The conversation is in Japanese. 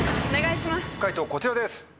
お願いします。